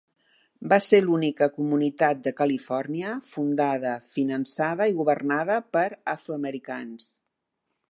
Va ser l'única comunitat de Califòrnia fundada, finançada i governada per afroamericans.